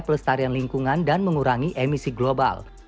pelestarian lingkungan dan mengurangi emisi global